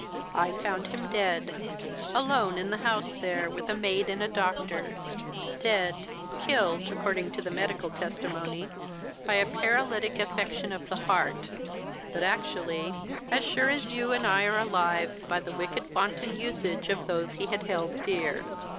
I found him dead alone in the house there, with a maid and a doctor; dead killed, according to the medical testimony, by a paralytic affection of the heart; but actually, as sure as you and I are alive, by the wicked wanton usage of those he had held dear.